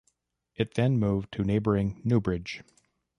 It then moved to neighbouring Newbridge.